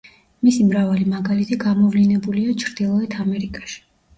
მისი მრავალი მაგალითი გამოვლინებულია ჩრდილოეთ ამერიკაში.